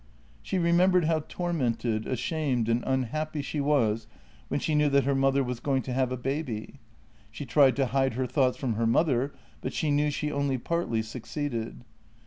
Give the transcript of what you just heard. She remembered how tormented, ashamed, and unhappy she was when she knew that her mother was going to have a baby. She tried to hide her thoughts from her mother, but she knew she only partly succeeded.